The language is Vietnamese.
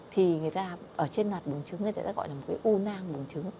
thì người ta ở trên nạp bùng trứng người ta gọi là một cái u nang bùng trứng